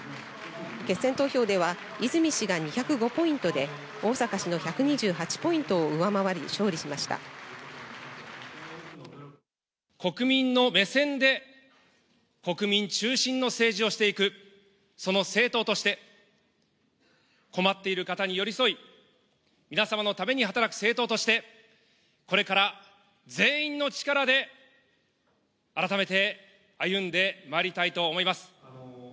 決選投票では、泉氏が２０５ポイントで逢坂氏の１２８ポイントを上回り、勝利し国民の目線で、国民中心の政治をしていく、その政党として、困っている方に寄り添い、皆様のために働く政党として、これから全員の力で改めて歩んでまいりたいと思います。